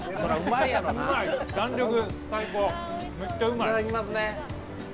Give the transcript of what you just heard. いただきますね。